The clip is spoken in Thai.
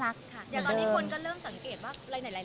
อย่างตอนนี้ควรก็เริ่มสังเกตว่าหลายรายการที่เจยอนเคยทำก็ไม่มีแรง